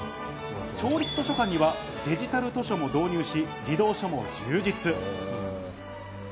町立図書館にはデジタル図書も導入し、児童書も充実。